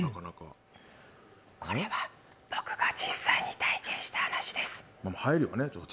これは僕が実際に体験した話です。